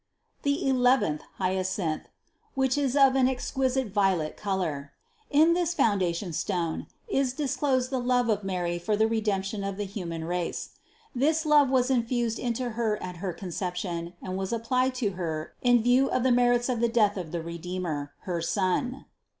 295. "The eleventh, hyacinth," which is of an exquis ite violet color. In this foundation stone is disclosed the love of Mary for the Redemption of the human race. This love was infused into Her at her Conception and was applied to Her in view of the merits of the death of the Redeemer, her Son.